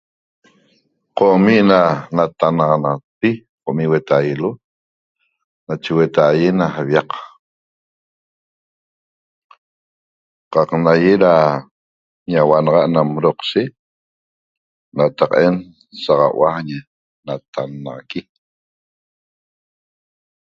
Comi na natannaxanaxapi comi huetaielo nache huetaie ñe aviac qaq naye da ñahuanaxa na doqshec nataqaen saxaua ñe natannaxaqui